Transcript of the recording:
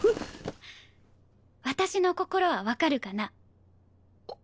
私の心はわかるかな？